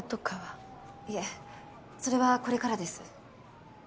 いえそれはこれからです。